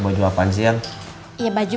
lest apa sih lebih